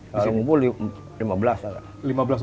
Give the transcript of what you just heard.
kalau mengumpul lima belas orang